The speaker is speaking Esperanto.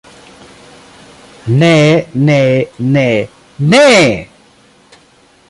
Ne ne ne. Ne!